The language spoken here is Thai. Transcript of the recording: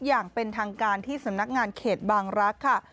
อย่างเป็นทางการที่สำนักงานเขตบางรักษ์ค่ะ